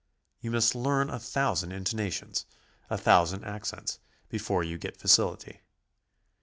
You must learn a thousand intonations, a thousand accents, before you get facility.